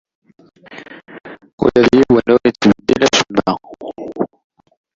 Ula d yiwen ur yettbeddil acemma.